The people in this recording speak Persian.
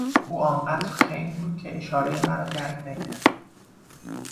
او آنقدر خنگ بود که اشارهی مرا درک نکرد.